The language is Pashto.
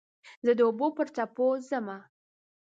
زه د اوبو پر څپو ځمه